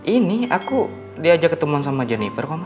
ini aku diajak ketemuan sama jennifer kok